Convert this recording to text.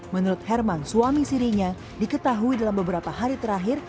menurut herman suami sirinya diketahui dalam beberapa hari terakhir